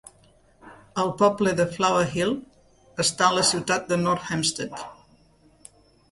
El poble de Flower Hill està a la ciutat de North Hempstead.